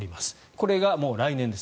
これがもう、来年です。